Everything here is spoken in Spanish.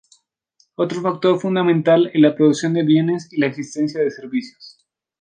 Otro factor fundamental es la producción de bienes y la existencia de servicios.